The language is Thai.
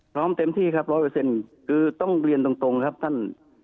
พร้อมเต็มที่ครับ๑๐๐คือต้องเรียนตรงครับท่าน